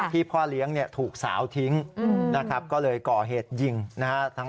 พ่อเลี้ยงเนี่ยถูกสาวทิ้งนะครับก็เลยก่อเหตุยิงนะฮะ